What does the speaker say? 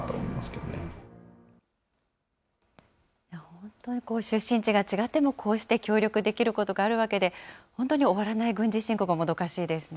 本当に出身地が違っても、こうして協力できることがあるわけで、本当に終わらない軍事侵攻がもどかしいですね。